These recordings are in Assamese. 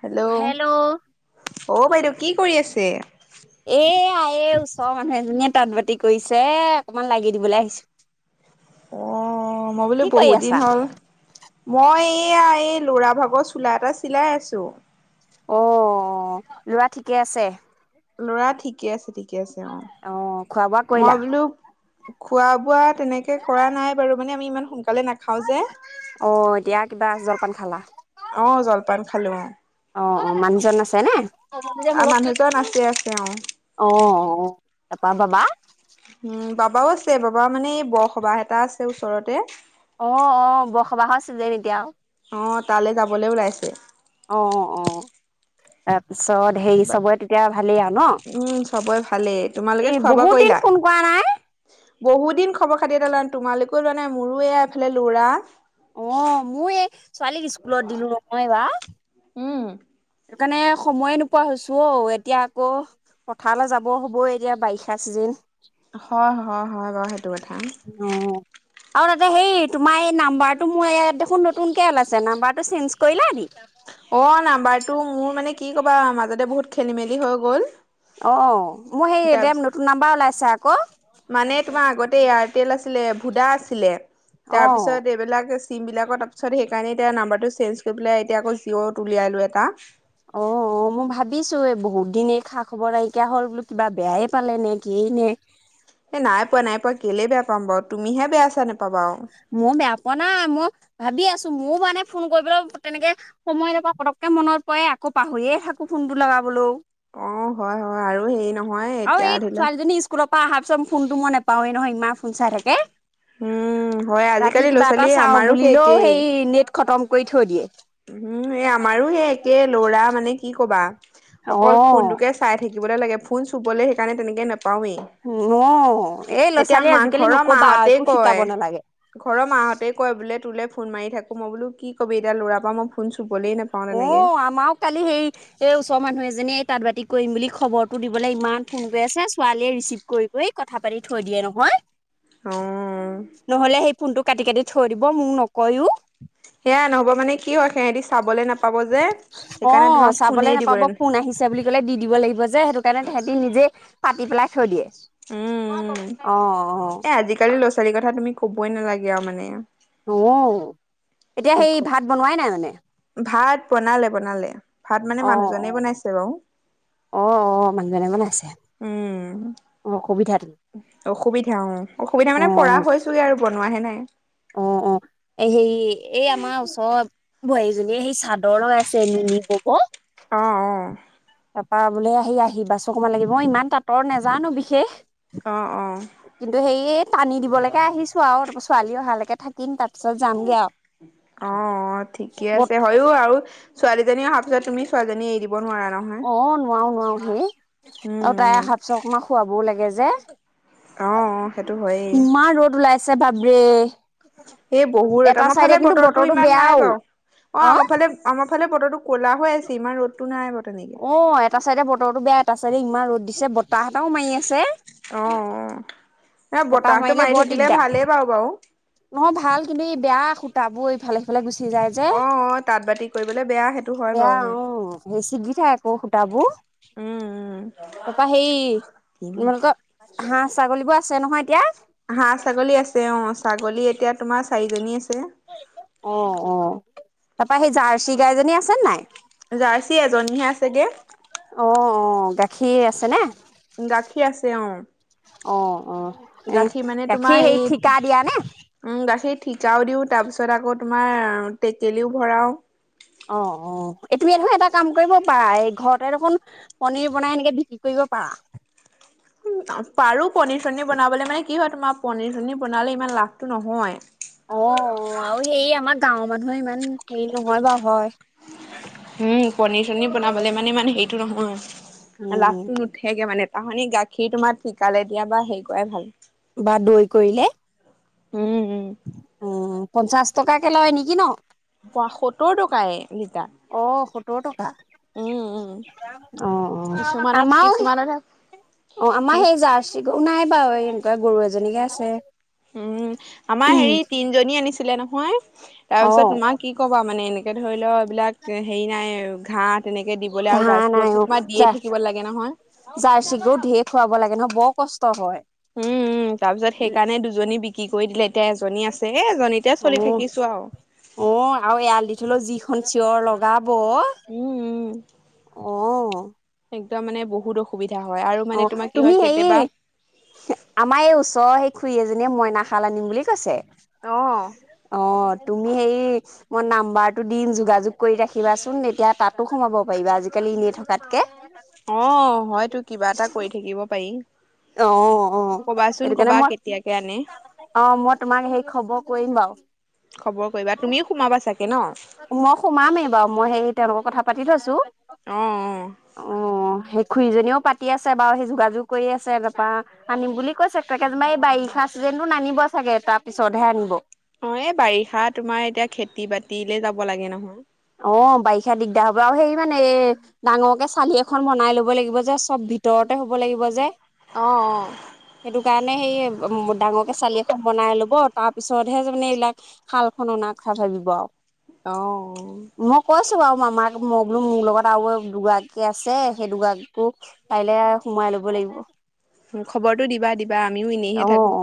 হেল্ল' অ' বাইদউ। কি কৰি আছে? এইয়া এই ওচৰৰ মানুহ এজনীয়ে তাঁত বাতি কৰিছে অকনমান লাগি দিবলৈ আহিছো। অ' মই বোলো কি কৰি বহুত দিন আছা? হ'ল। মই এয়া এই লৰা ভাগৰ চোলা এটা চিলাই আছো। অ' লৰা ঠিকে আছে? ল'ৰা ঠিকে আছে দে। অ' খোৱা বোৱা কৰিলা? বোলো খোৱা বোৱা তেনেকে কৰা নাই বাৰু, মানে আমি ইমান সোনকালে নাখা অ' দিয়া কিবা জলপান খালা? অ' জলপান খালো অ'। অ' অ' মানুহজন আছে নে অ' আৰু মানুহজন আছে আছে অ'। অ'। অ' এপা বাবা উম বাবাও আছে বাবা মানে এই বৰসভা এটা আছে ওচৰতে অ' অ' বৰসবাহ আছে যে তেতিয়াও অ' তালে যাবলৈ ওলাইছে অ' অ' অ' তাপ চত হেৰি চবৰে তেতিয়া ভালেই আৰু উম, চবৰে ভালেই তোমালোকে ন এই বহুত দিন ফোন কৰা নাই বহুতদিন খবৰ খাতি এটা লোৱা তোমালোকেও লোৱা নাই মোৰো এয়া এইফালে ল'ৰা অ' মো এই ছোৱালীক স্কুলত দিলো নহয় বা উম। সেই কাৰণে সময়ে নোপোৱা হৈছো অ এতিয়া আকৌ পথাৰলৈ যাব হ'বই এতিয়া বাৰিষা চিজিন হয় হয় হয় বাৰু সেইটো কথা আৰু তাতে সেই তোমাৰ এই নাম্বাৰটো মোৰ ইয়াত দেখোন নতুনকে উলাইছে নাম্বাৰটো চেঞ্জ কৰিলা নি অ' নম্বৰটো টো মোৰ মানে কি ক'বা মাজতে বহুত খেলি মেলি হৈ গ'ল অ' মোৰ হে তাৰপিছ দেম নতুন নাম্বাৰ ওলাইছে আ ক মানে তোমাৰ আগতে এয়াৰটেল আছিলে ভুদা আছিল ছিলে অ তাৰপিছত এইবিলাক চিম বিলাকৰ তাৰপিছত সেইকাৰণে এতিয়া নাম্বাৰটো চেঞ্জ কৰি পেলাই এতিয়া আকৌ জিঅ'ত উলিয়ালো এটা। অ, অ মই ভাবিছো এই বহুত। দিনেই খা-খৱৰ নাইকিয়া হ'ল বোলো কিবা বেয়াই পালে নে কিয়েই নে? এ নাই পোৱা নাই পোৱা কেলে বেয়া পাম বাৰু। তুমিহে বেয়া চেয়া নোপাবা মোৰ বেয়া পোৱা নাই মই ভবি আছোঁ। মোৰ মানে ফোন কৰিবলৈ তেনেকে সময় নাপাও পতকে মনত পৰে আকৌ পাহৰিয়ে থাকো ফোনটো লগাবলৈও। অ, হয়, হয় আৰু সেই অ এই ছোৱালীজনি স্কুলৰ পৰা অহা পিচত ফোনটো মই নাপাওয়ে নহয় ইমান ফোন চাই থাকে উম হয় ৰাতি আজিকালি ল'ৰা কিবা এটা ছোৱালী চাওঁ আমাৰো বুলিলেও একেই সেই নেট খতম কৰি থৈ দিয়ে। উম এই আমাৰো এই একে লৰা মানে কি কবা। অকল অ', ফোনটোকে চাই থাকিবলৈ লাগে। ফোন চুবলৈ সেইকাৰণে তেনেকে নাপ পাওঁয়ে অ', এই ল'ৰা এতিয়া ছোৱালী মা আজিকালি ঘৰৰ নকবা মাহতে একো শিকাব কয় নালাগে ঘৰৰ মাহতে কয় বোলে তোলে ফোন মাৰি থাকো মই বোলো কি ক'বি এতিয়া ল'ৰা। মই ফোন চুন অ, আমাও কালি হেই এই ওচৰৰ মানুহে এজনীয়ে তাঁত বাতি কৰিম বুলি খবৰটো দিবলে ইমান ফোন কৰি আছে, ছোৱালীয়ে ৰিচিভ কৰি কৰি কথা পাতি থৈ দিয়ে নহয়। অ নহ'লে সেই ফোনটো কাটি কাটি। থৈ দিব, মোক নকয়ো। সেয়া নহ'ব মানে কি হয়, সিহঁতি চাবলে নাপা অ চাবলে নাপাব দিবলৈ ফোন আহিছে বুলি কলে দি দিব লাগিব যে, সেইটো কাৰণে তেহেতি নিজে পাতি পেলাই থৈ দিয়ে। উম উম উম, অ এ আজিকালি ল'ৰা ছোৱালীৰ কথা তুমি ক'বই নালাগে আও মানে। অ। এতিয়া কি ক সেই ভাত বনোৱাই নাই মানে? ভাত, বনালে বনালে। ভাত মানে অ, অ, মানুহজনে বনাইছে বাৰু অ, অ, মানুহজনে বনাইছে, উম সুবিধাটো। অসুবিধা অ, অসুবিধা অ মানে পৰা হৈছোঁয়ে আৰু ব নোৱাহে নাই। অ অ এ হেই, এই আমাৰ ওচৰত বো য়ে, সেই চাদৰ লগাইছে, নুনি বব। অ অ তাপা বোলে আহি আহি বাছ অকমান লাগিব, মই ইমান তাঁতৰ নেযানো বিশেষ। অ অ কিন্তু শেইয়ে টানি দিবলেকে আহিছো আও, তাপাচ ছোৱালী অহালৈকে থাকিম তাৰপিছত যামগে আও। অ অ ব ছোৱালজনী অহা পাছত তুমি ছোৱীজনী এৰি দিব। নোৱাৰা নহয় অ নোৱাৰো নোৱাৰো হুনো উম আউ তাই উম শাক চকমা খোৱাবও লাগে যে। অ অ সেইটো [unintelligible] হয়েই ইমান ৰ'দ ওলাই। আছে ভাবৰে। এ বহুত, আমাৰ ফালে বতৰটো ইমান নাই বাউ, অ আমাৰ ফালে আমাৰ। ইফালে বতৰটো কলা হৈ আছে। ইমান ৰদতটো নাই বতৰ। অ এটা চাইডে বতৰটো বেয়া, এটা চাইডে ইমান ৰ'দ। দিছে বত। বতাৱ মাৰি আছে, অ অ এ আও বতাহটো মাৰিলে মাৰি বৰ থাকিলে দিগদাৰ, ভালেই বাৰু বাৰু নহয় ভাল কিন্তু ই বেয়া। তাবো ইফালে সিফালে গুচি। যায় যে অ অ তাঁত বাতি কৰিবলৈ বেয়া সেইটো হয় বাউ উম্। যাই আকৌ সূতাবো, তাপা সেই, উম তোমালোকৰ হাঁহ ছাগলী বোৰ। আছে নহয় এতিয়া হাঁহ ছাগলী আছে অঁ ছাগলী এতিয়া তোমাৰ চাৰিজনী আছে অঁ অঁ তাপা হেৰি জাৰ্চি গাইজনী আছে নাই জাৰ্চি এজনীহে আছেগে অ 'অ' গাখীৰ আছে নে গাখীৰ আছে অঁ অঁ অঁ উম তোমাৰ গাখীৰ সেই এই ঠিকা দিয়া নে উম গাখীৰ ঠিকাও দিওঁ তাৰপিছত আকৌ তোমাৰ টেকেলিও ভৰাও অ' অ' তুমি দেখোন এটা কাম কৰিব পাৰা এই ঘৰতে দেখোন পনিৰ বনাই এনেকে বিক্ৰী কৰিব পাৰা উম পাৰো পনীৰ চনীৰ বনাবলৈ মানে কি হয় তোমাৰ পনিৰ চনীৰ বনালে ইমান লাভটো নহয় অঁ অঁ আৰু হেৰি আমাৰ গাঁৱৰ মানুহ ইমান হেৰি নহয় বাৰু হয় উম পনীৰ চনীৰ বনাবলে মানে ইমান হেইটো নহয় উম লাাভটো নুঠেগে মানে তাৰ সলনি গাখীৰ তোমাৰ ঠিকালে দিয়া বা হেৰি কৰাই ভাল বা দৈ কৰিলে উম উম উম পঞ্চাশ টকাকে লয় নেকি ন পায় অঁ সতৰ টকা উম উম অঁ কিছুমানত আমাৰ কিছুমানতহে অঁ কি আমাৰ সেই জাৰ্চি নাই বাৰু কা গৰু এজনীহে আছে। উম, আমাৰ হেৰি তিনজনী আনিছে। আছিলে নহয়। তাৰ অ পিছত তোমাৰ কি ক'ম খোৱা মানে এনেকে ধৰি লও এইবিলাক হেৰি নাই আৰু ঘাঁহ তেনেকে দিবলৈ আৰু ঘাঁহ জাৰ্চি নাই গৰুকতো অ'। তোমাৰ দিয়ে থাকিব লাগে নহয় জাৰ্চি গৰু ঢেৰ খুৱাব লাগে নহয়, বৰ কষ্ট হয়। উম উম তাৰ পিছত সেইকাৰণে দুজনী বিক্ৰী কৰি দিলে এতিয়া এজনী আছে। এ এজনীতে চলি অ' থাকিছো আৰু অ' আৰু এৰাল দি থলেও যি খন চিঞৰ লগাব ব উম উম অ' একদম মানে বহুত অসুবিধা। হয় আৰু মানে অ' তোমাৰ কি তুমি হয় কেতিয়াবা হেৰি আমাৰ এই ওচৰৰ সেই খুৰি এজনী এজনীয়ে মইনা খাল আনিম বুলি কৈছে। অ অ' তুমি হেৰি মই নাম্বাৰটো দিম যোগাযোগ কৰি ৰাখিবাচোন এতিয়া তাতো সোমাব পাৰিবা আজিকালি এনেই থকাতকে। অ' হয়তো কি কিবা এটা কৰি থাকিব পাৰি। অ' অ' কবাচোন সেইটো কাৰণে কবা মই, কেতিয়াকে আনে অ' মই তোমাক সেই খবৰ কৰিম বাৰু। খবৰ কৰিবা তুমিও সোমাবা চাগে ন মই সোমামেই বাৰু মই সেই তেওঁলোকৰ কথা পাতি থৈছোঁ। অ' সেই অ'। খুৰীজনীও পাতি আছে বাৰু সেই যোগাযোগ কৰি আছে তাৰপৰা আনিম বুলি কৈছে পেকেত মাই বাৰিষা চিজনটো নানিব চাগে, তাৰপিছতহে আনিব। অ' এই বাৰিষা তোমাৰ এতিয়া খেতি বাতিলে যাব লাগে নহয়। অ' বাৰিষা দিগদাৰ হ'ব আৰু সেই মানে এ ডাঙৰকে চালি এখন বনাই ল'ব লাগিব যে, চব ভিতৰতে হ'ব লাগিব যে। অ সেইটো কাৰণে সেই অ' ডাঙৰকে চালি এখ বনাই ল'ব তাৰ পিছতহে যেনিবা এইবিলাক শালখন অনা কথা ভাবিব আৰু। অ'। বাৰ মামাক বোলো মোৰ লগত আৰু দুগৰাকী আছে সেই দুগৰাকীকো পাৰিলে সোমাই ল'ব লাগিব। বা আমিও এনেইহে অ থাকোঁ। অ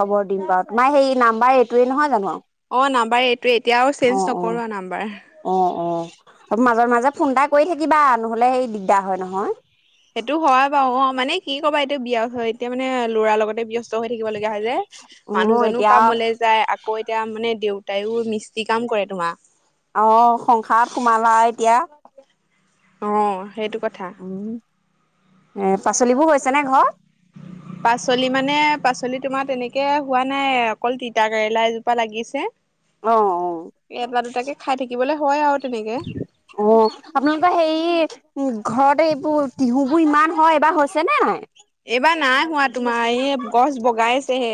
খবৰ দিম বাৰু তোমাৰ সেই নাম্বাৰ এইটোয়ে নহয় জানো? অ নাম্বাৰ এইটোয়ে এতিয়া আও চেঞ্জ নকৰোঁ আৰু নাম্বাৰ। মাজৰ মাজে মাজে ফোন এটা কৰি থাকিবা, নহ'লে সেই দিগদাৰ হয় নহয়। সেইটো হয় বাৰু অ- মানে কি ক'বা এইটো বিয়স হয় এতিয়া মানে ল'ৰাৰ লগতে ব্যস্ত হৈ থাকিব লগীয়া হৈ যায় উম মানুহজনো এতিয়া কামলৈ যায় আকৌ এতিয়া মানে দেউ তাইও মি অহ-সংসাৰত সোমালা এতিয়া অ সেইটো কথা। উম এ পাচলিবোৰ হৈছে নে ঘৰত? পাচলি মানে, পাচলি তোমাৰ তেনেকে হোৱা নাই, অকল তিতা কেৰেলা এজোপা লাগিছে। অ অ এটা দুটাকে খাই থাকিবলৈ হয় আৰু তেনেকে। অ আপোনালোকৰ হেই উম ঘৰতে এইবোৰ তিহুবোৰ ইমান হয়, এইবাৰ হৈছে নাই? এইবাৰ নাই হোৱা তোমাৰ এই গছ বগাইছেহে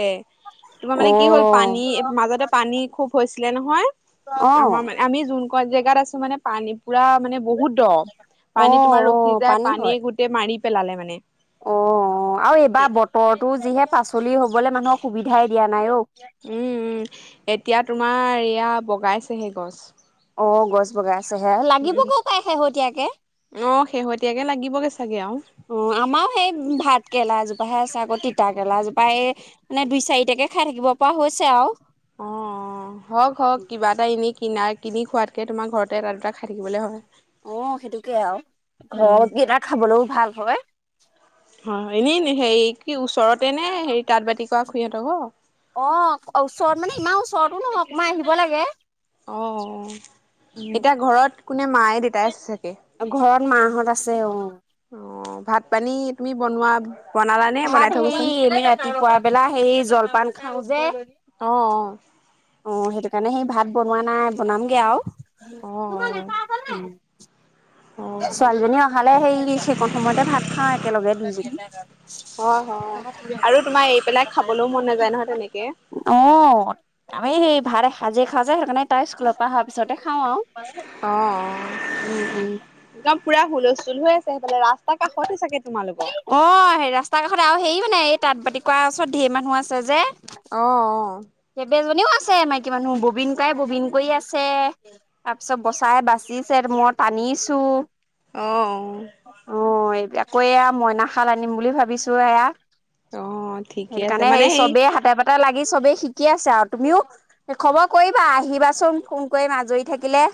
তোমাৰ মানে কি হ'ল অ', পানী মাজতে পানী খুব হৈছ ছিলে নহয়। অ', আমাৰ মানে আমি যোন কন জেগাত আছো মানে পানী পুৰা মানে বহুত [unintelligible] পানী অ', তোমাৰ ৰখি অ', যায় পানী হয় পানীয়ে গোটেই মাৰি পেলালে মানে? অ আৰু এইবাৰ বতৰ তো যিহে পাচলি হ'বলে মানুহক সুবিধাই দিয়া নাই অ উম উম এতিয়া তোমাৰ এয়া বগাইছেহে গছ। অ গছ বগাই ছেহে লাগিব উম গেও পাই শেহতীয়াকে অ শেহতীয়াকে লাগিবগে চাগে আৰু অ আমাৰও সেই ভাত কেৰেলা এজোপ আছে আকৌ তিতা কেৰেেলা জোপাই এই মানে দুই চাৰিটাকে খাই থাকিব পৰা হৈছে আও অ অ হওক হওক কিবা এটা এনেই কনা কিনি খোৱাতকৈ তোমাৰ ঘৰতে এটা দুটা খাই থাকিবলৈ হয়। অ সেইটোকে আৰু উম ঘৰত কেইটা খাবলৈও ভাল। হয়। অ এনেই ন সেই কি ওচৰতে নে হেৰি তাঁত বাতি কৰা খুইহঁতক ঘ অ', ওচৰত মানে ইমান ওচৰতো নহওক মাৰ আহিব লাগে। অ' উম, এতিয়া ঘৰত কোনে, মায়ে দেতাই আছে চাগে? মাহত আছে অ'। অ' ভাত পানী তুমি বনোৱা বনালানে বনাই ভাত থৈ হে, গৈছা এনেই ৰাতিপুৱা বেলা সেই জলপান খাওঁ যে অ অ' সেইটো কাৰণে সেই ভাত বনোৱা নাই, বনামগে আৰু। [inaudible] অ অ অ ছোৱালীজনী অহালে সেই সেইকণ সময়তে ভাত খাওঁ একেলগে দুই জনি হয় হয় আৰু তোমাৰ এৰি পেলাই খাবলৈও মন নাযায় নহয় তেনেকে অ' আমি সেই ভাত ভাজি খাও যে সেইকাৰণ তাই স্কুলৰ পৰা অহাৰ পিছতে খাওঁ আৰু অ অ উম উম। একদম পুৰা হুলস্থুল হৈ আছে। সেইফালে ৰাস্তাৰ কাষতে চাগে তোমালোকৰ অ' সে ৰাস্তা কাষতে, আৰু হেৰি মানে এই তাঁত বাতি কৰাৰ ওচৰত ধঢেৰ মানুহ আছে যে। আহ অ'। এনেও আছে মাইকী মানুহ ববিনকৰাই ববিন কৰি আছে, তাৰ পিছত বচাই বাচিছে, মই টানিছো। অ' অ'। অ' এইবিলাক কৰি আৰু, মইনা খাল আনিম বুলি ভাবিছো এয়া। অ ঠিকে সেইটো আছে কাৰণে মানে সেই চবেই হাতে পাতে লাগে চবেই শিকি আছে আৰু তুমিও, খবৰ কৰিবা আহিবাচোন, ফোন কৰি আজৰি থাকিলে।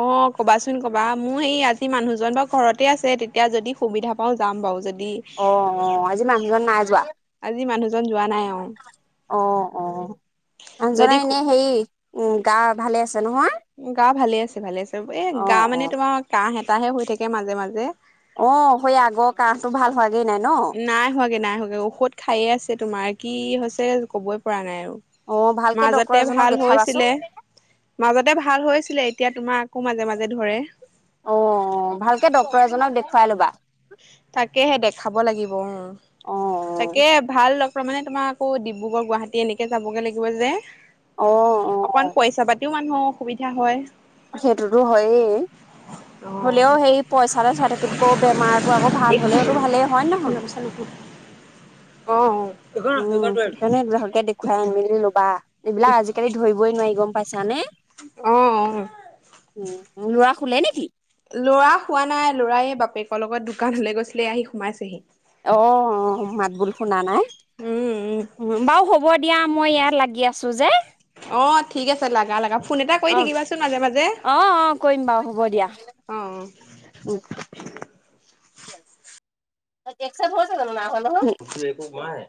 অ' কবাচোন কবা, মোৰ সেই আজি মানুহজন বাৰু ঘৰতে আছে তেতিয়া যদি সুবিধা পাও যাম বাৰু যদি আহ আহ, আজি মানুহজন নাই যোৱা? আজি মানুহজন যোৱা নাই অ আহ আহ মানুহজনৰ যদি এনে হেৰি উম গা ভালে আছে নহয়? গা ভালে আছে ভালে আছে। এ অ গা অ মানে তোমাৰ কাহ কাহে হৈ থাকে মাজে মাজে। অ' সেই আগৰ কাহটো ভাল হয় নাই হোৱাগে নাই হোৱাগে, ঔষধ খায়ে আছে তোমাৰ কি ছে ক'বই পৰা নাই আৰু। অ' ভালকে মাজতে ডক্তৰ ভাল এজনক হৈছিলে দেখাবাচোন। মাজতে ভাল হৈছিলে, এতিয়া তোমাৰ আকৌ মাজে মাজে ধৰে। অ' অ', ভালকে ডক্তৰ এজনক দেখুৱাই ল'বা। তাকেহে দেখাব লাগিব অ'। অ তাকে ভাল লগ প্ৰমাণে তোমাৰ আকৌ ডিব্ৰুগড় গুৱাহাটী এনেকৈ যাবগৈ লাগিব যে। অ অ অ অকন পইচা পাতিও মানে অ', অসুবিধা হয়। সেইটোতো হয়েই, অ', হ'লেও সেই পইচাতে চাই থকেতকৈ বেমাৰটো আকৌ ভাল হলেওতো ভালেই হয় নহয়, উম সেইটো কাৰণে ভালকে দেখুৱাই আন মেলি লবা এইবিলাক আজিকালি ধৰিবই নোৱাৰ। নাই গম পাইছা নে। অ। উ লৰা খোলে নেকি? লৰা হোৱা নাই লৰাই বাপেকৰ লগত দোকান হলে গৈছিলে আহি সোমাইছেহি। অ', অ', মাতবোল শুনা নাই। উম, উম, উম, বাৰু হ'ব দিয়া মই ইয়াত লাগি আছো যে। অ ঠিক আছে লগা লগা ফোন এটা কৰি অ', থাকিবাচোন মাজে মাজে, অ', অ', কৰিম বাৰু হ'ব দিয়া। অ। একচপ। তঠু একো মে।